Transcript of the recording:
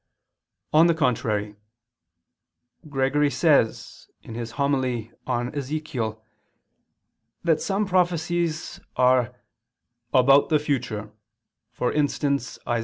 On the contrary, Gregory says (Hom. i super Ezech.) that some prophecies are "about the future, for instance (Isa.